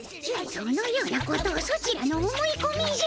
そのようなことソチらの思いこみじゃ。